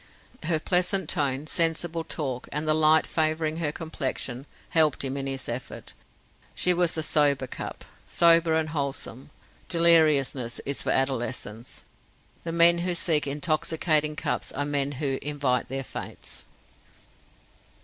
Her pleasant tone, sensible talk, and the light favouring her complexion, helped him in his effort. She was a sober cup; sober and wholesome. Deliriousness is for adolescence. The men who seek intoxicating cups are men who invite their fates.